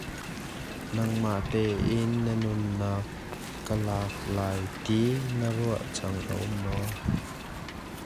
Keimah tein ka nunnak kaa lak lai ti na ruat caan aum maw?